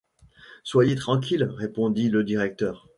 Soyez tranquille, répondit le directeur.